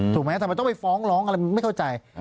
ถูกไหมทำไมต้องไปฟ้องร้องอะไรไม่เข้าใจ